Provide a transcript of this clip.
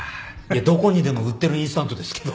どこにでも売ってるインスタントですけど。